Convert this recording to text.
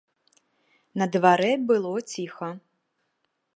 На дварэ было ціха.